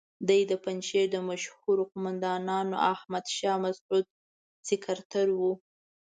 دی د پنجشیر د مشهور قوماندان احمد شاه مسعود سکرتر وو.